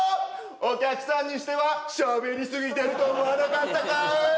お客さんにしてはしゃべりすぎてると思わなかったかい？